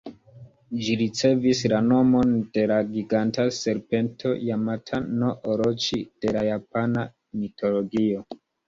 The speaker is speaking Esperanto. Ĝi ricevis la nomon de la giganta serpento Jamata-no-Oroĉi de la japana mitologio.